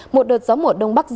một đợt gió mùa đông bắc rất mạnh